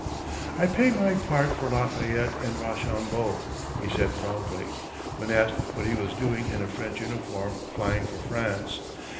"I pay my part for Lafayette, and Rochambeau," he said proudly, when asked what he was doing in a French uniform flying for France.